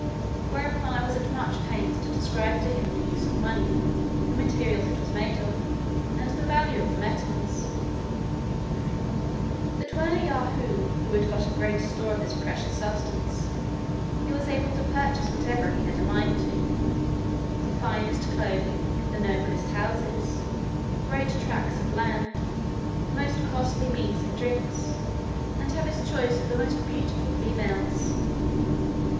Whereupon I was at much pains to describe to him the use of money, the materials it was made of, and the value of the metals; "that when a Yahoo had got a great store of this precious substance, he was able to purchase whatever he had a mind to; the finest clothing, the noblest houses, great tracts of land, the most costly meats and drinks, and have his choice of the most beautiful females.